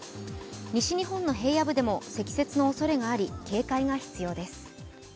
西日本の平野部でも積雪のおそれがあり警戒が必要です。